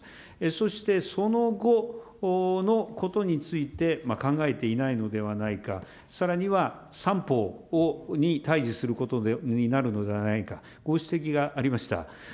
そしてその後のことについては考えていないのではないか、さらには３方に対じすることになるのではないか。